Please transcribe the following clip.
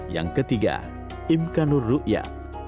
yang ketiga imkanur rukyat